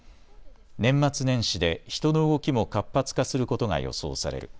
年末年始で人の動きも活発化することが予想される。